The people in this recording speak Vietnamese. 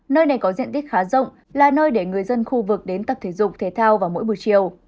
nơi này có diện tích khá rộng là nơi để người dân khu vực đến tập thể dục thể thao vào mỗi buổi chiều